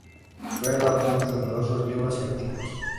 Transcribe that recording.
Fue el autor de numerosos libros y artículos.